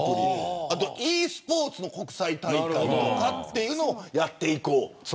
あとｅスポーツの国際大会というのもやっていこうと。